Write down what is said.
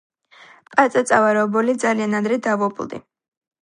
პაწაწა ვარ ობოლი ძალიან ადრე დავობლდი.